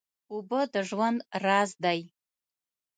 اوبه د ژوند راز دی.